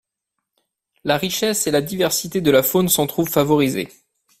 La richesse et la diversité de la faune s'en trouvent favorisées.